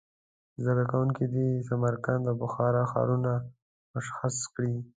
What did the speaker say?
زده کوونکي دې سمرقند او بخارا ښارونه مشخص کړي.